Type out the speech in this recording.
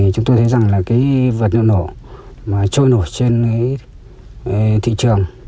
chúng tôi thấy rằng vật liệu nổ trôi nổ trên thị trường